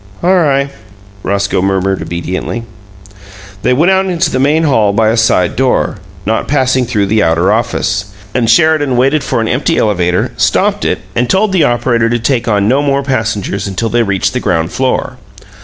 "All ri'," Roscoe murmured, obediently. They went out into the main hall by a side door, not passing through the outer office; and Sheridan waited for an empty elevator, stopped it, and told the operator to take on no more passengers until they reached the ground floor.